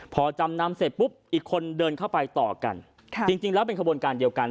พอจำนำเสร็จปุ๊บอีกคนเดินเข้าไปต่อกันจริงแล้วเป็นขบวนการเดียวกัน